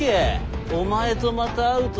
お前とまた会うとはな。